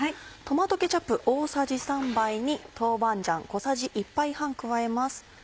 トマトケチャップ大さじ３杯に豆板醤小さじ１杯半加えます。